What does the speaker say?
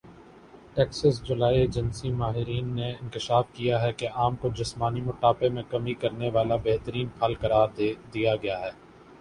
Texas جولائی agency ماہرین نے انکشاف کیا ہے کہ آم کو جسمانی موٹاپے میں کمی کرنے والا بہترین پھل قرار دیا گیا ہے